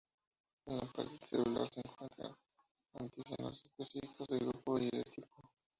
En la pared celular se encuentran los antígenos específicos de grupo y de tipo.